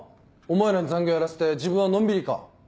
お前らに残業やらせて自分はのんびりか。